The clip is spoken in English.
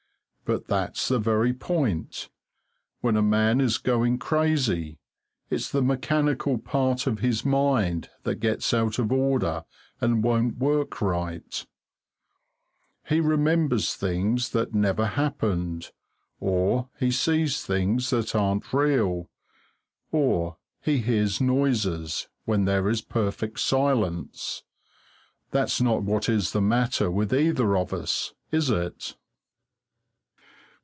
But that's the very point. When a man is going crazy, it's the mechanical part of his mind that gets out of order and won't work right; he remembers things that never happened, or he sees things that aren't real, or he hears noises when there is perfect silence. That's not what is the matter with either of us, is it?